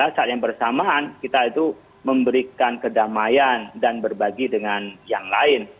saat yang bersamaan kita itu memberikan kedamaian dan berbagi dengan yang lain